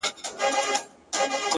• د سرو شرابو د خُمونو د غوغا لوري ـ